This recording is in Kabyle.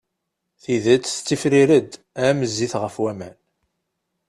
Tidet tettifrir-d am zzit ɣef waman.